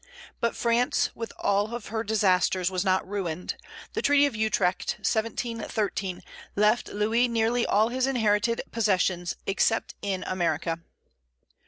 But France, with all her disasters, was not ruined; the treaty of Utrecht, 1713, left Louis nearly all his inherited possessions, except in America.